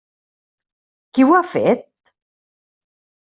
Qui ho ha fet?